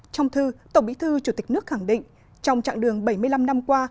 trong thư tổng bí thư chủ tịch nước khẳng định trong trạng đường bảy mươi năm năm qua